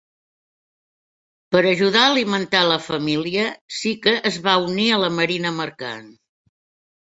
Per ajudar a alimentar la família, Sika es va unir a la marina mercant.